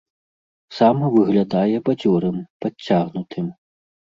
Сам выглядае бадзёрым, падцягнутым.